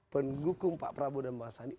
penghukum pak prabowo dan pak masani